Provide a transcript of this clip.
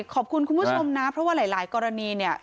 คุณผู้ชมนะเพราะว่าหลายกรณีเนี่ย